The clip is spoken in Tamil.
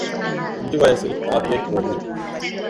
அஞ்சு வயசில் ஆதியை ஓது.